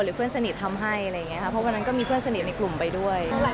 เพื่อนสนิททำให้อะไรอย่างนี้ค่ะเพราะวันนั้นก็มีเพื่อนสนิทในกลุ่มไปด้วย